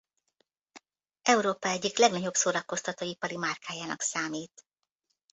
Európa egyik legnagyobb szórakoztatóipari márkájának számít.